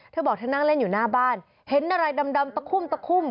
เธอบอกเธอนั่งเล่นอยู่หน้าบ้านเห็นอะไรดำตะคุ่มตะคุ่ม